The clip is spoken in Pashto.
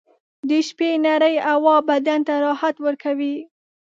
• د شپې نرۍ هوا بدن ته راحت ورکوي.